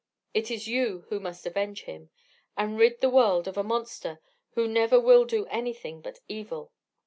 It is you who must avenge him, and rid the world of a monster who never will do anything but evil.